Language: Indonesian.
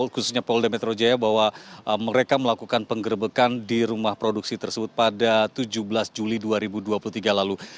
khususnya polda metro jaya bahwa mereka melakukan penggerbekan di rumah produksi tersebut pada tujuh belas juli dua ribu dua puluh tiga lalu